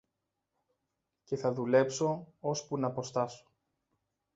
και θα δουλέψω ώσπου ν' αποστάσω.